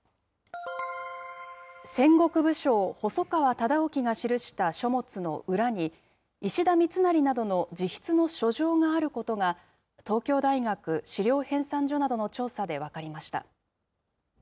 戦国武将、細川忠興が記した書物の裏に、石田三成などの自筆の書状があることが、東京大学史料編纂所などの調査で分かりました。